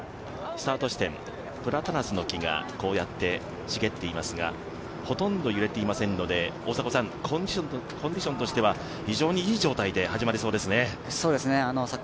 このスタート地点、プラタナスの木がこうやって茂っていますがほとんど揺れていませんのでコンディションとしては非常にいい状態で始まりそうですね。